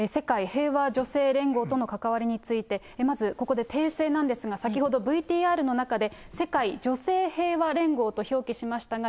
世界平和女性連合との関わりについて、まずここで訂正なんですが、先ほどＶＴＲの中で、世界女性平和連合と表記しましたが、